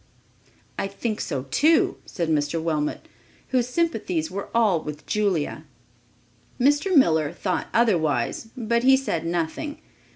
"I think so too," said Mr. Wilmot, whose sympathies were all with Julia. Mr. Miller thought otherwise, but he said nothing.